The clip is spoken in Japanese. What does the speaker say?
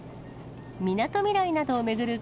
みなとみらいなどを巡る